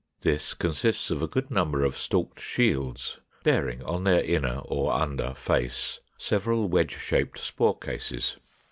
This consists of a good number of stalked shields, bearing on their inner or under face several wedge shaped spore cases.